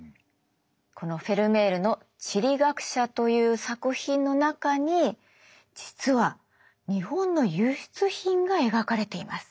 このフェルメールの「地理学者」という作品の中に実は日本の輸出品が描かれています。